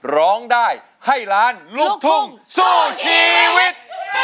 ร้องได้ให้ล้านลูกทุ่งสู้ชีวิต